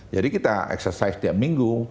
jadi kita exercise tiap minggu